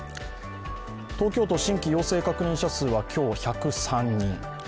東京都、新規陽性確認者数は今日１０３人。